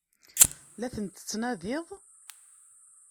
La tent-tettnadiḍ?